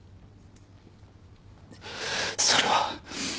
それは。